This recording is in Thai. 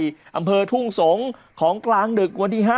อำเภอทุ่งสงศ์ของกลางดึกวันที่๕